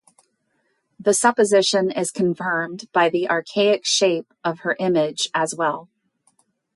The supposition is confirmed by the archaic shape of her image as well.